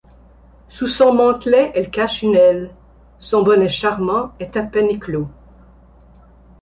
Sous son mantelet elle cache une aile ; Son bonnet charmant est à peine éclos.